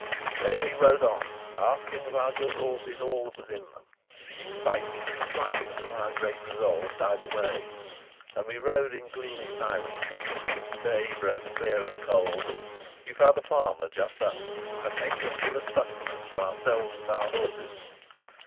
Then we rode on, asking of our good horses all that was in them. The excitement of the fight and of our great resolve died away, and we rode in gloomy silence. Day broke clear and cold. We found a farmer just up, and made him give us sustenance for ourselves and our horses.